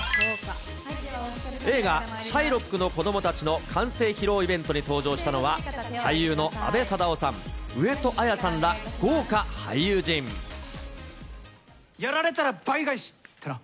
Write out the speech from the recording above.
映画、シャイロックの子供たちの完成披露イベントに登場したのは、俳優の阿部サダヲさん、上戸彩さんら、豪華俳優陣。やられたら倍返しってな。